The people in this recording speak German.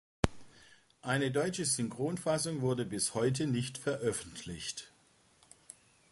Eine deutsche Synchronfassung wurde bis heute nicht veröffentlicht.